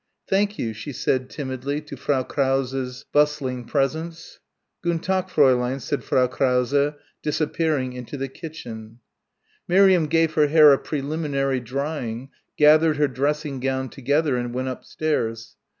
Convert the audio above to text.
"Thank you," she said timidly to Frau Krause's bustling presence. "Gun' Tak' Fr'n," said Frau Krause, disappearing into the kitchen. Miriam gave her hair a preliminary drying, gathered her dressing gown together and went upstairs.